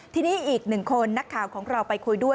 ทีนี้อีกหนึ่งคนนักข่าวของเราไปคุยด้วย